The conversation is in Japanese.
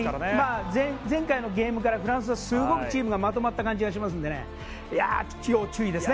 前回のゲームからフランスはすごくチームがまとまった感じがするので要注意ですね。